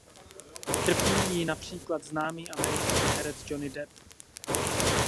Trpí jí například známý americký herec Johnny Depp.